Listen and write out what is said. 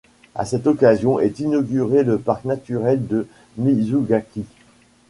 À cette occasion est inauguré le parc naturel de Mizugaki.